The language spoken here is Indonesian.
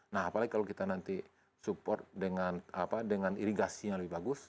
nah apalagi kalau kita nanti support dengan irigasi yang lebih bagus